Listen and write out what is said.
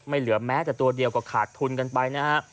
เหลือแม้แต่ตัวเดียวก็ขาดทุนกันไปนะฮะ